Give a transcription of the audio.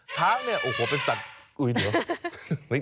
ช้างเนี่ยโอ้โหเป็นสัตว์กุยเดี๋ยว